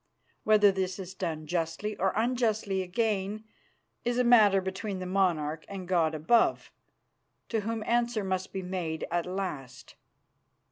Whether this is done justly or unjustly again is a matter between that monarch and God above, to Whom answer must be made at last.